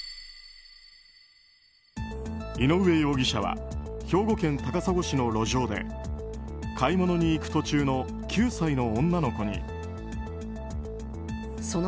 井上容疑者は兵庫県高砂市の路上で買い物に行く途中の９歳の女の子に。